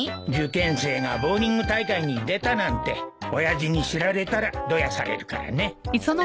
受験生がボウリング大会に出たなんて親父に知られたらどやされるからね。